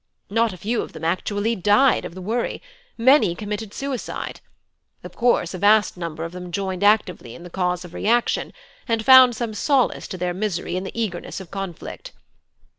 Not a few of them actually died of the worry; many committed suicide. Of course, a vast number of them joined actively in the cause of reaction, and found some solace to their misery in the eagerness of conflict.